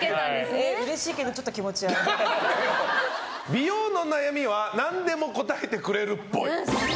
美容の悩みはなんでも答えてくれるっぽい。